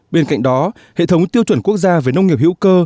bên cạnh đó hệ thống tiêu chuẩn quốc gia về nông nghiệp hữu cơ